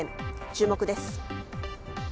注目です。